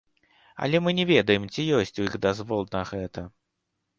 Але мы не ведаем, ці ёсць у іх дазвол на гэта.